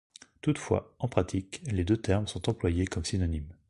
Toutefois, en pratique, les deux termes sont employés comme synonymes.